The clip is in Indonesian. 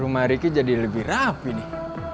rumah riki jadi lebih rapi nih